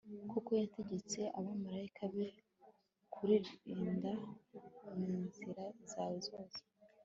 kuko yategetse abamalayika be kukurinda mu nzira zawe zose